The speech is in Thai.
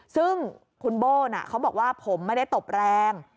ซึ่งคุณโบ้เขาบอกว่าผมไม่ได้ตบแรง